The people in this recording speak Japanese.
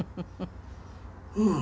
「うん。